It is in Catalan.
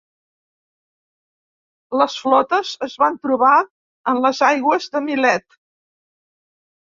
Les flotes es van trobar en les aigües de Milet.